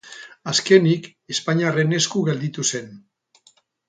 Azkenik espainiarren esku gelditu zen.